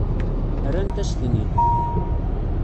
Rrant-as-ten-id.